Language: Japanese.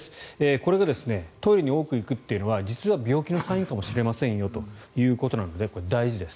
これがトイレに多く行くというのは実は病気のサインかもしれませんよということなので大事です。